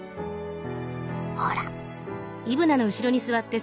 ほら。